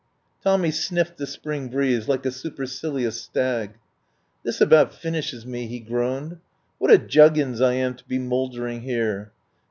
Tommy sniffed the spring breeze like a su percilious stag. "This about finishes me," he groaned. "What a juggins I am to be mouldering here!